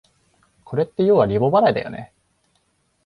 これってようはリボ払いだよね